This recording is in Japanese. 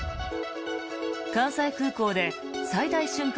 関西空港で最大瞬間